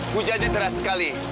hujan diteras sekali